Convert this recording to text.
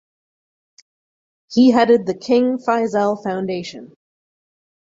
He headed the King Faisal Foundation.